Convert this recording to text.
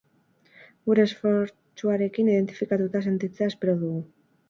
Gure esfortsuarekin identifikatuta sentitzea espero dugu.